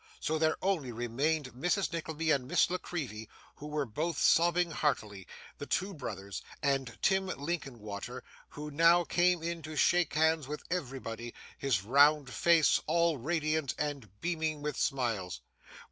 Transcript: So there only remained Mrs Nickleby and Miss La Creevy, who were both sobbing heartily; the two brothers; and Tim Linkinwater, who now came in to shake hands with everybody: his round face all radiant and beaming with smiles.